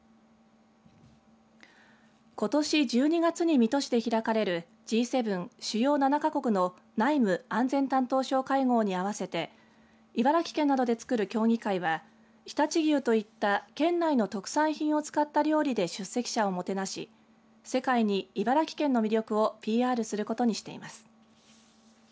ことし１２月に水戸市で開かれるＧ７、主要７か国の内務・安全担当相会合に合わせて茨城県などで作る協議会は常陸牛といった県内の特産品を使った料理で出席者をもてなし世界に茨城県の魅力をＰＲすることにしています。